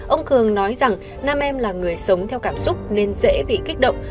ông cường nói rằng nam em là người sống theo cảm xúc nên dễ bị kích động